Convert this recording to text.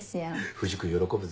藤君喜ぶぞ。